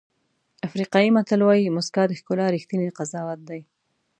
افریقایي متل وایي موسکا د ښکلا ریښتینی قضاوت دی.